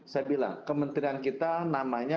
saya bilang kementerian kita namanya